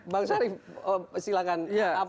bang gusari silahkan